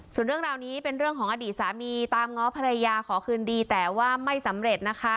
ส่วนเรื่องราวนี้เป็นเรื่องของอดีตสามีตามง้อภรรยาขอคืนดีแต่ว่าไม่สำเร็จนะคะ